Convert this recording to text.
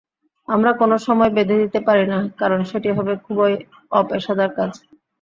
আমরা কোনো সময় বেঁধে দিতেপারি না, কারণ সেটি হবে খুবই অপেশাদার কাজ।